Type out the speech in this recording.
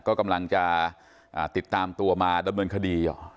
ก็กำลังจะติดตามตัวมาดำเนินคดีอยู่